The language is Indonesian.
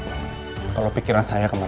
saya tidak bisa konsentrasi pak alec